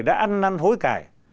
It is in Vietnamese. đã ăn năn hối cải